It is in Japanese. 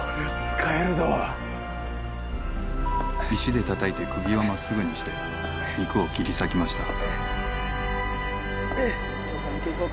「石でたたいて釘を真っすぐにして肉を切り裂きました」